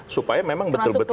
supaya memang betul betul